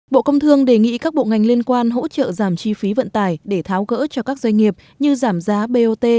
bộ công thương đề nghị các bộ ngành liên quan hỗ trợ giảm chi phí vận tải để tháo gỡ cho các doanh nghiệp như giảm giá bot